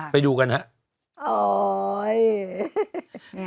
ไปดูกันเช็ด